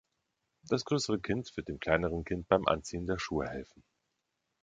Das größere Kind wird dem kleineren Kind beim Anziehen der Schuhe helfen.